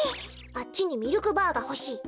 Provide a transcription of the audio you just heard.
あっちにミルクバーがほしい。